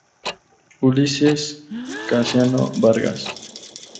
Ulises Casiano Vargas.